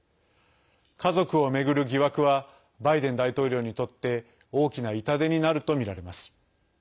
家族を巡る疑惑はバイデン大統領にとって大きな痛手になるとみられます。